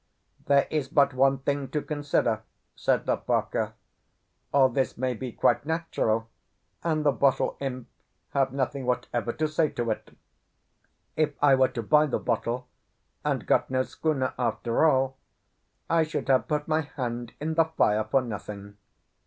"There is but one thing to consider," said Lopaka; "all this may be quite natural, and the bottle imp have nothing whatever to say to it. If I were to buy the bottle, and got no schooner after all, I should have put my hand in the fire for nothing.